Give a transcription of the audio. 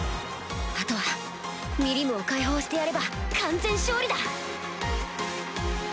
あとはミリムを解放してやれば完全勝利だ！